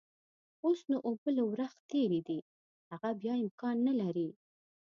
اوس نو اوبه له ورخ تېرې دي، هغه بيا امکان نلري.